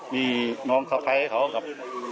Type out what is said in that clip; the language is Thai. มีน้องสะพ้ายเขากับ